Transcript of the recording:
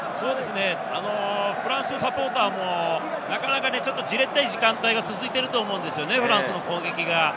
フランスのサポーターもなかなかじれったい時間帯が続いていると思うんですよね、フランスの攻撃が。